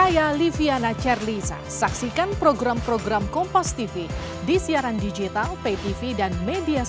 ya ya mengangkat lengan ya